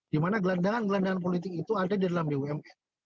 dimana gelandangan gelandangan politik itu ada di dalam bumn